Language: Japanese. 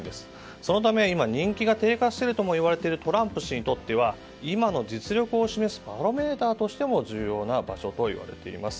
そのため、人気が低下しているとも言われているトランプ氏にとっては今の実力を示すバロメーターとしても重要な場所といわれています。